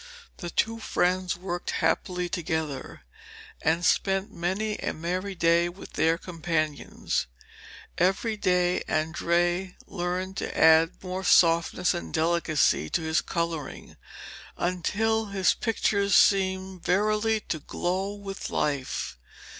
The two friends worked happily together, and spent many a merry day with their companions. Every day Andrea learned to add more softness and delicacy to his colouring until his pictures seemed verily to glow with life.